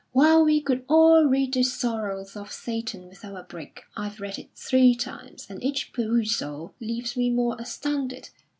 "While we could all read the 'Sorrows of Satan' without a break. I've read it three times, and each perusal leaves me more astounded.